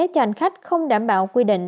cho hành khách không đảm bảo quy định